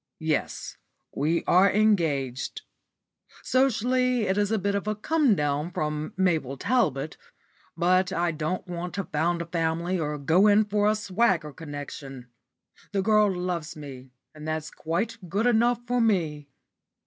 Yes, we are engaged. Socially it is a bit of a come down from Mabel Talbot, but I don't want to found a family or go in for a swagger connection. The girl loves me, and that's quite good enough for me."